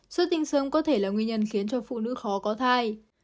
xuất tinh sớm có thể là nguyên nhân khiến cho phụ nữ khó có thai